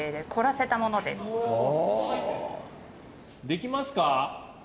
できますか？